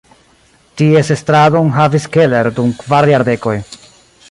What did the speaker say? Ties estradon havis Keller dum kvar jardekoj.